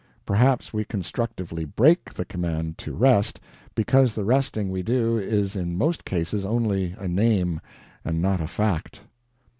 Perhaps we constructively BREAK the command to rest, because the resting we do is in most cases only a name, and not a fact.